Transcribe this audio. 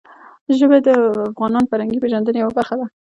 ژبې د افغانانو د فرهنګي پیژندنې یوه برخه ده.